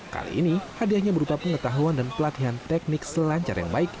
kali ini hadiahnya berupa pengetahuan dan pelatihan teknik selancar yang baik